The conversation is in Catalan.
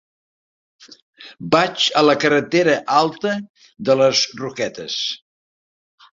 Vaig a la carretera Alta de les Roquetes.